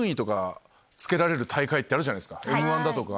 『Ｍ−１』だとか。